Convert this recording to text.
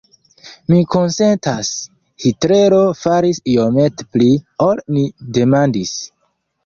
Mi konsentas: Hitlero faris iomete pli, ol ni demandis.